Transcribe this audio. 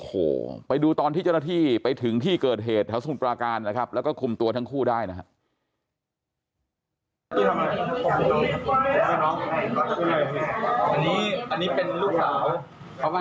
โอ้โหไปดูตอนที่เจ้าหน้าที่ไปถึงที่เกิดเหตุแถวสมุทรปราการนะครับแล้วก็คุมตัวทั้งคู่ได้นะครับ